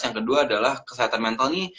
yang kedua adalah kesehatan mental nih